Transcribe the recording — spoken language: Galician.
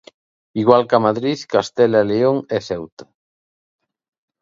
Igual ca Madrid, Castela e León e Ceuta.